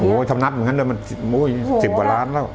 ทำนับเหมือนกันเลยมัน๑๐กว่าล้านแล้ว